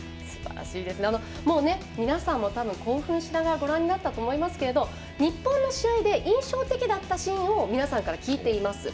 皆さんも多分、興奮しながらご覧になったと思いますが日本の試合で印象的だったシーンを皆さんから聞いています。